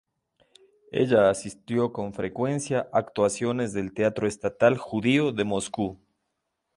Ella asistió con frecuencia actuaciones del Teatro Estatal Judío de Moscú.